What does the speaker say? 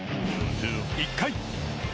１回。